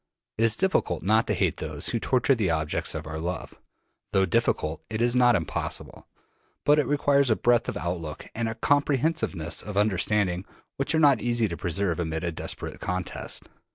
It is difficult not to hate those who torture the objects of our love. Though difficult, it is not impossible; but it requires a breadth of outlook and a comprehensiveness of understanding which are not easy to preserve amid a desperate contest.